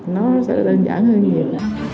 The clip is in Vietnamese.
nó sẽ đơn giản hơn nhiều